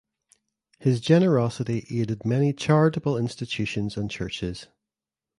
His generosity aided many charitable institutions and churches.